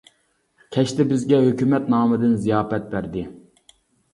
كەچتە بىزگە ھۆكۈمەت نامىدىن زىياپەت بەردى.